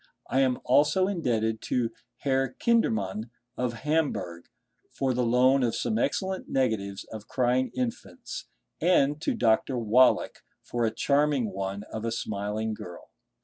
I am also indebted to Herr Kindermann, of Hamburg, for the loan of some excellent negatives of crying infants; and to Dr. Wallich for a charming one of a smiling girl.